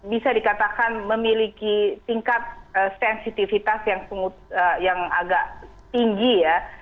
bisa dikatakan memiliki tingkat sensitivitas yang agak tinggi ya